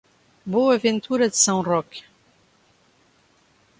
Boa Ventura de São Roque